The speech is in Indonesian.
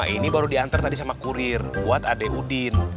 ini baru diantri tadi sama kurir buat adek udin